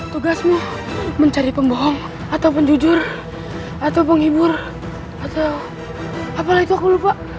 tugasmu mencari pembohong atau penjujur atau menghibur atau apalagi aku lupa